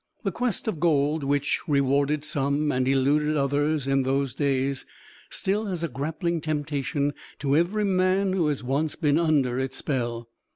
The quest of gold, which rewarded some and eluded others in those days, still has a grappling temptation to every man who has once been under its spell.